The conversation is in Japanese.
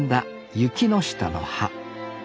ユキノシタの葉。